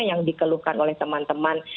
yang dikeluhkan oleh teman teman